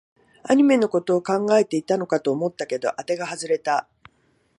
アニメのことを考えていたのかと思ったけど、あてが外れた